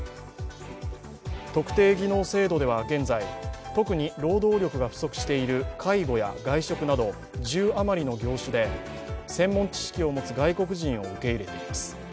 特定技能制度では現在、特に労働力が不足している介護や外食など、１０余りの業種で専門知識を持つ外国人を受け入れています。